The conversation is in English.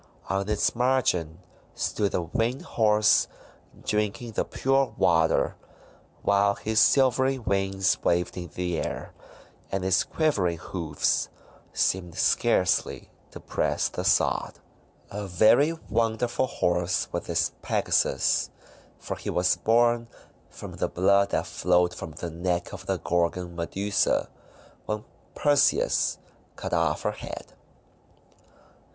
On its margin stood the Winged Horse drinking the pure water, while his silvery wings waved in the air, and his quivering hoofs seemed scarcely to press the sod. A very wonderful horse was this Pegasus, for he was born from the blood that flowed from the neck of the Gorgon Medusa when Perseus cut off her head.